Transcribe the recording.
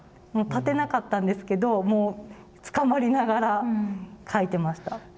もう立てなかったんですけどもうつかまりながら描いてました。